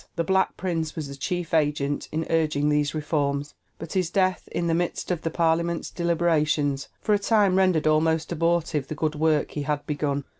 The Black Prince was the chief agent in urging these reforms, but his death, in the midst of the Parliament's deliberations, for a time rendered almost abortive the good work he had begun.